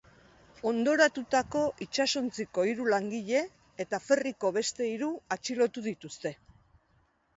Hondoratutako itsasontziko hiru langile eta ferryko beste hiru atxilotu dituzte.